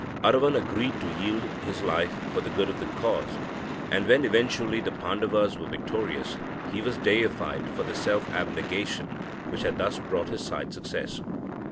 Aravan agreed to yield his life for the good of the cause, and, when eventually the Pandavas were victorious, he was deified for the self abnegation which had thus brought his side success.